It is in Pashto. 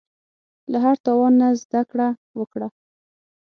له هر تاوان نه زده کړه وکړه.